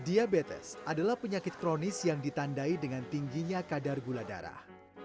diabetes adalah penyakit kronis yang ditandai dengan tingginya kadar gula darah